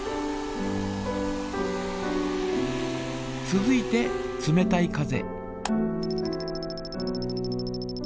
続いて冷たい風。